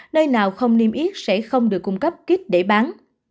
nơi nào không niêm yết sẽ không được cung cấp kít để bán